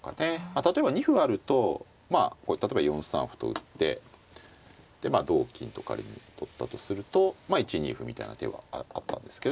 例えば２歩あるとまあ例えば４三歩と打ってでまあ同金と仮に取ったとすると１二歩みたいな手はあったんですけどね。